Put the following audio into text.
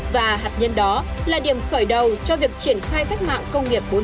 và hạt nhân đó là điểm khởi đầu cho việc triển khai khách mạng công nghiệp bốn ở tp hcm